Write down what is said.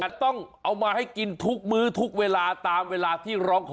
แต่ต้องเอามาให้กินทุกมื้อทุกเวลาตามเวลาที่ร้องขอ